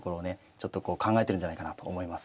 ちょっとこう考えてるんじゃないかなと思います。